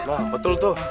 wah betul tuh